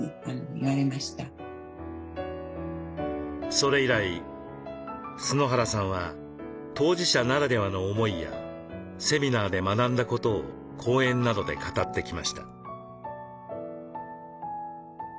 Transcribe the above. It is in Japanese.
それ以来春原さんは当事者ならではの思いやセミナーで学んだことを講演などで語ってきました。